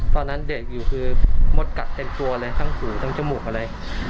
ตอนนั้นเด็กอยู่คือมดกัดเต็มตัวเลยทั้งหูทั้งจมูกอะไร